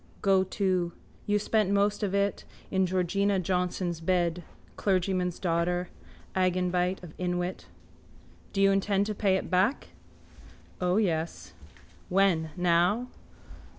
Go to! You spent most of it in Georgina Johnson's bed, clergyman's daughter. Agenbite of inwit. Do you intend to pay it back? O, yes. When? Now?